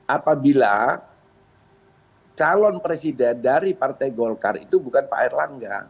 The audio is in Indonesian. apabila calon presiden dari partai golkar itu bukan pak erlangga